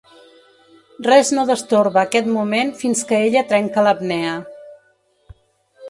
Res no destorba aquest moment fins que ella trenca l'apnea.